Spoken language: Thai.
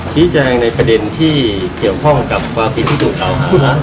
ชี้แจงในประเด็นที่เกี่ยวข้องกับความผิดที่ถูกกล่าวหา